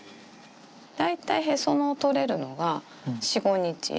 大体へその緒取れるのが４、５日。